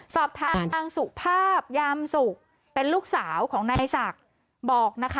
สอบถามทางสุภาพยามสุขเป็นลูกสาวของนายสัก